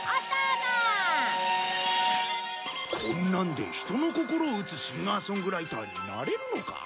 こんなので人の心を打つシンガーソングライターになれるのか？